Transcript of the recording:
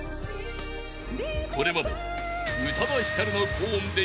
［これまで宇多田ヒカルの高音で］